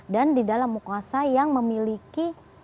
dan di dalam mukosa yang memiliki